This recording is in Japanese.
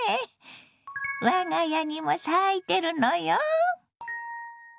我が家にも咲いてるのよ。